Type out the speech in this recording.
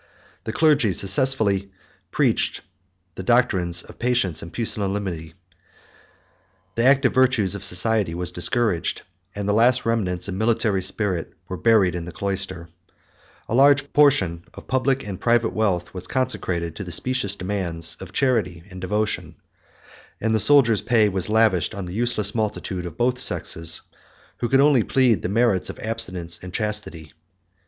The clergy successfully preached the doctrines of patience and pusillanimity: the active virtues of society were discouraged; and the last remains of military spirit were buried in the cloister: a large portion of public and private wealth was consecrated to the specious demands of charity and devotion; and the soldiers' pay was lavished on the useless multitudes of both sexes, who could only plead the merits of abstinence and chastity.